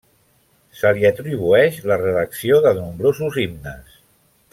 Se li atribueix la redacció de nombrosos himnes.